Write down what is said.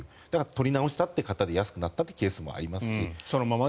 取り直したという方で安くなったというケースもありますし。